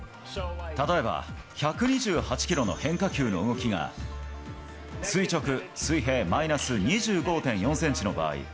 例えば、１２８キロの変化球の動きが、垂直、水平マイナス２５．４センチの場合、